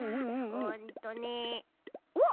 うんとねおっ！ん？